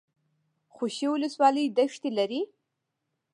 خوشي ولسوالۍ دښتې لري؟